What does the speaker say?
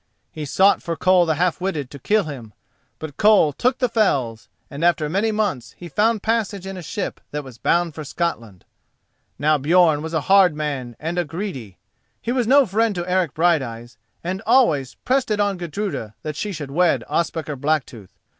He sought for Koll the Half witted to kill him, but Koll took the fells, and after many months he found passage in a ship that was bound for Scotland. Now Björn was a hard man and a greedy. He was no friend to Eric Brighteyes, and always pressed it on Gudruda that she should wed Ospakar Blacktooth.